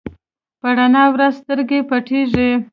په رڼا ورځ سترګې پټېږي.